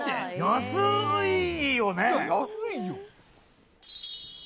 安いよ。